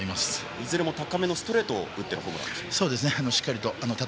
いずれも高めのボールを打ってのホームランでした。